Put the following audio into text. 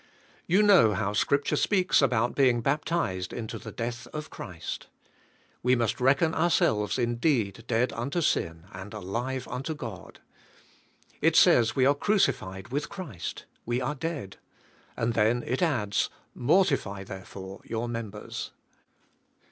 You know how Scripture speaks about be ing baptized into the death of Christ; we must reckon ourselves indeed dead unto sin and alive un to God. It says we are crucified with Christ; we are dead. And then it adds, mortify therefore your members.